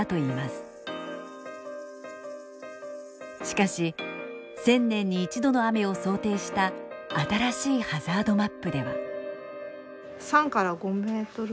しかし１０００年に１度の雨を想定した新しいハザードマップでは。